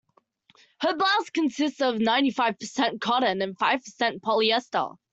Her blouse consists of ninety-five percent cotton and five percent polyester.